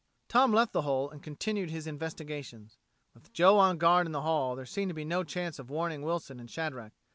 Tom left the hole, and continued his investigations. With Joe on guard in the hall, there seemed to be no chance of warning Wilson and Shadrack.